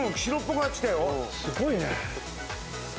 すごいね。